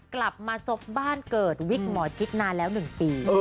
กลับมาซบบ้านเกิดวิกหมอชิดนานแล้ว๑ปี